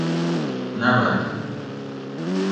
نبل